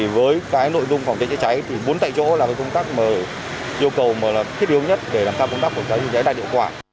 với nội dung phòng cháy chữa cháy bốn tại chỗ là công tác thiết yếu nhất để làm cao công tác của cháy chữa cháy đa điệu quả